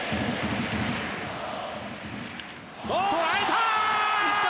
捉えた！